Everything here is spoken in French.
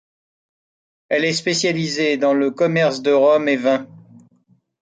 Elle est spécialisée dans le commerce de rhums et vins.